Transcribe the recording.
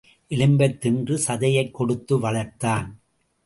எலும்பைத் தின்று சதையைக் கொடுத்து வளர்த்தான்.